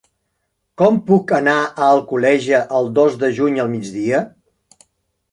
Com puc anar a Alcoleja el dos de juny al migdia?